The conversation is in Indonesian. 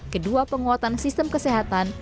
kedua penguatan sistem kesehatan